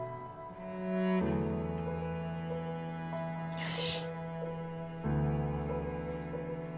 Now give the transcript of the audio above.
よし。